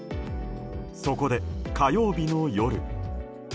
そこで、火曜日の夜。